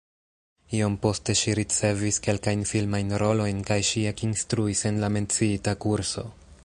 Iom poste ŝi ricevis kelkajn filmajn rolojn kaj ŝi ekinstruis en la menciita kurso.